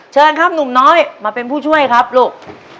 เชิญครับหนุ่มน้อยมาเป็นผู้ช่วยครับลูก